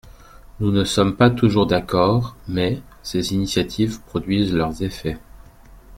Nous ne sommes pas toujours d’accord, mais, ses initiatives produisent leurs effets.